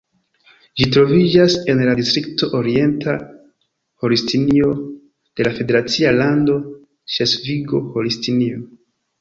Ĝi troviĝas en la distrikto Orienta Holstinio de la federacia lando Ŝlesvigo-Holstinio.